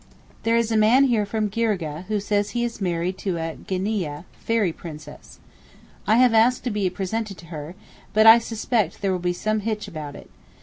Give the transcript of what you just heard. There is a man here from Girgeh, who says he is married to a Ginneeyeh (fairy) princess. I have asked to be presented to her, but I suspect there will be some hitch about it.